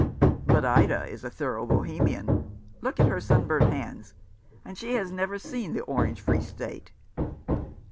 " But Ida is a thorough Bohemian. Look at her sunburnt hands ! And she has never seen the Orange Free State."